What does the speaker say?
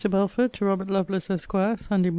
BELFORD, TO ROBERT LOVELACE, ESQ. SUNDAY MORN.